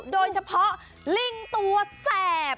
โดยเฉพาะลิงตัวแสบ